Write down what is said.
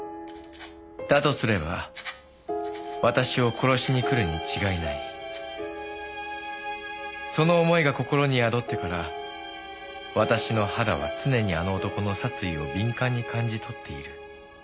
「だとすれば私を殺しに来るに違いない」「その思いが心に宿ってから私の肌は常にあの男の殺意を敏感に感じとっている」